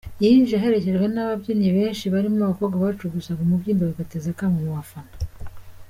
Yinjiye aherekejwe n’ababyinnyi benshi barimo abakobwa bacugusaga umubyimba bigateza akamo mu bafana.